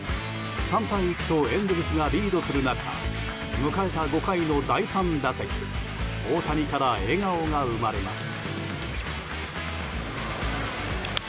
３対１とエンゼルスがリードする中迎えた５回の第３打席大谷から笑顔が生まれます。